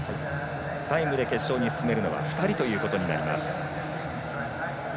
タイムで決勝に進めるのは２人となります。